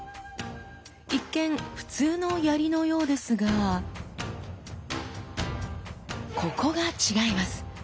一見普通の槍のようですがここが違います！